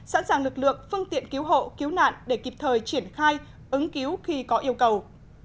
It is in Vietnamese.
sẵn sàng lực lượng phương tiện cứu hộ cứu nạn để kịp thời triển khai ứng cứu khi có yêu cầu